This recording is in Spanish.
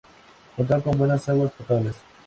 Contaba con buenas aguas potables.